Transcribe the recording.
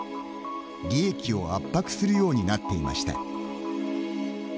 利益を圧迫するようになっていました。